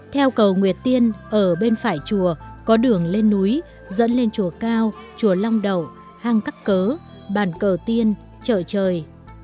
theo cầu nguyệt tiên ở bên phải chùa có đường lên núi dẫn lên chùa cao chùa long đậu hang cắt cớ bàn cờ tiên chợ trời